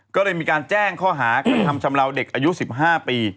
ก็เลยมีการแจ้งข้อหากระทำชำลาวเด็กอายุ๑๕ปี